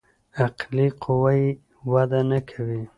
عقلي قوه يې وده نکوي.